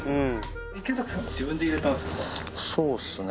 池崎さんが自分で入れたんでそうっすね。